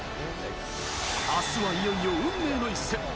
あすはいよいよ運命の一戦。